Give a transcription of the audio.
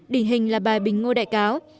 đỉnh hình là bài bình ngô đại cáo